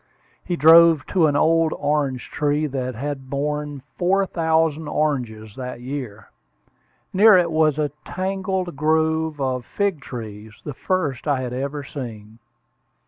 He drove to an old orange tree that had borne four thousand oranges that year. Near it was a tangled grove of fig trees, the first I had ever seen.